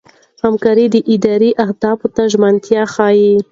همکاري د ادارې اهدافو ته ژمنتیا ښيي.